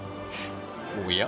おや？